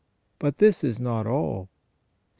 But this is not all. St.